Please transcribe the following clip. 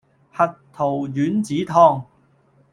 核桃丸子湯